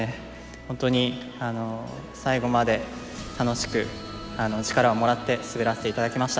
本当に最後まで楽しく力をもらって滑らせて頂きました。